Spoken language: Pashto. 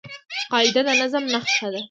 قاعده د نظم نخښه ده.